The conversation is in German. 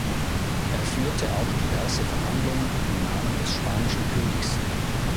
Er führte auch diverse Verhandlungen im Namen des spanischen Königs.